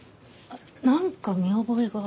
なんか見覚えが。